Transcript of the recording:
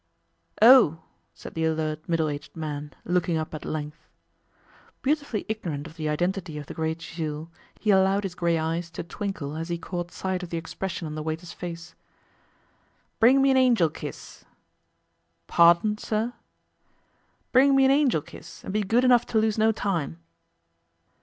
'Oh!' said the alert, middle aged man, looking up at length. Beautifully ignorant of the identity of the great Jules, he allowed his grey eyes to twinkle as he caught sight of the expression on the waiter's face. 'Bring me an Angel Kiss.' 'Pardon, sir?' 'Bring me an Angel Kiss, and be good enough to lose no time.